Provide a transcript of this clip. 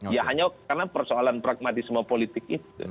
ya hanya karena persoalan pragmatisme politik itu